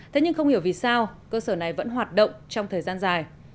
thế nhưng không hiểu vì sao cơ sở này vẫn hoạt động trong thời gian dài